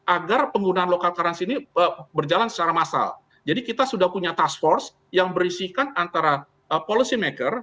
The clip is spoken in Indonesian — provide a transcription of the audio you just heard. agar penggunaan local currency ini berjalan secara massal jadi kita sudah punya task force yang berisikan antara policy maker